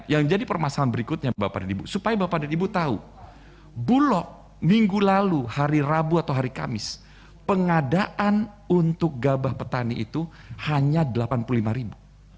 yang jadi permasalahan berikutnya bapak dan ibu supaya bapak dan ibu tahu bulog minggu lalu hari rabu atau hari kamis pengadaan untuk gabah petani itu hanya delapan puluh lima ribu